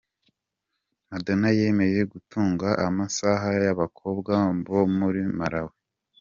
Madonna yemeye gutunga amahasa y'abakobwa bo muri Malawi.